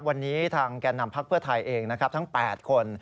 วันนี้ทางแก่นำพักเพื่อไทยเองนะครับทั้ง๘คน